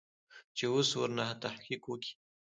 چې اوس ورنه تحقيق وکې.